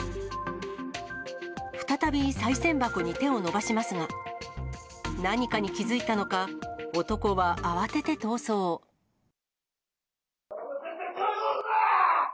再びさい銭箱に手を伸ばしますが、何かに気付いたのか、何やっとるか、こら！